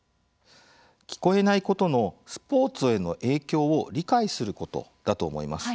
聞こえないことのスポーツへの影響を理解することだと思います。